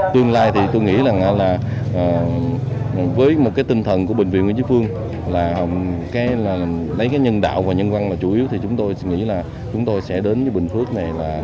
tương lai thì tôi nghĩ là với một cái tinh thần của bệnh viện nguyễn chí phương là lấy cái nhân đạo và nhân văn là chủ yếu thì chúng tôi nghĩ là chúng tôi sẽ đến với bình phước này là